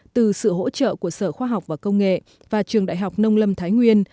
từ sự hỗ trợ của sở khoa học và công nghệ và trường đại học nông lâm thái nguyên